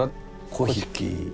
粉引。